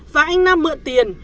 và anh nam mượn tiền